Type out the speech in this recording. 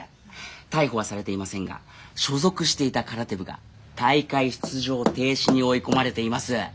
逮捕はされていませんが所属していた空手部が大会出場停止に追い込まれています。